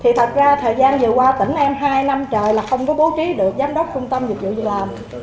thì thật ra thời gian vừa qua tỉnh em hai năm trời là không có bố trí được giám đốc trung tâm dịch vụ việc làm